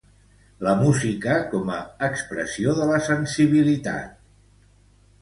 La música com a expressió de la sensibilitat.